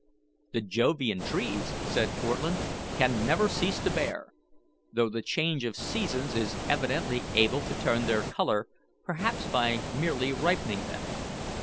"The Jovian trees," said Cortlandt, "can never cease to bear, though the change of seasons is evidently able to turn their colour, perhaps by merely ripening them.